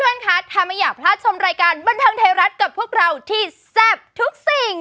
ท่านคะถ้าไม่อยากพลาดชมรายการบันเทิงไทยรัฐกับพวกเราที่แซ่บทุกสิ่ง